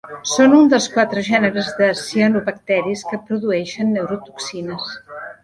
Són un dels quatre gèneres de cianobacteris que produeixen neurotoxines.